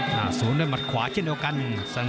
หน้าสูญด้วยมัดขวาใช้เรียกเดียวกัน